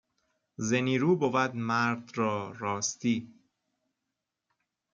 ز نیرو بود مرد را راستی